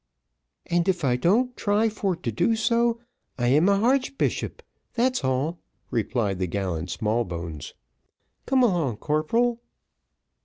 "And if I don't try for to do so, I am an harchbishop, that's all," replied the gallant Smallbones. "Come along, corporal."